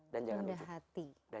dan jangan wujud